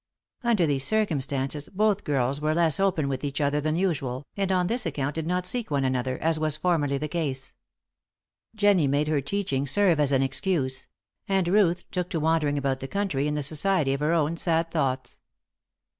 Under these circumstances, both girls were less open with each other than usual, and on this account did not seek one another, as was formerly the case. Jennie made her teaching serve as an excuse; and Ruth took to wandering about the country in the society of her own sad thoughts.